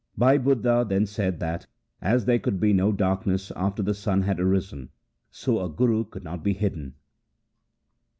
Bhai Budha then said that, as there could be no darkness after the sun had arisen, so a Guru could not be hidden.